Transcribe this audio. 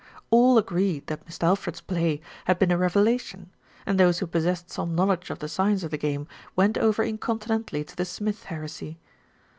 All agreed that Mist' Alfred's play had been a reve lation, and those who possessed some knowledge of the science of the game went over incontinently to the Smith Heresy.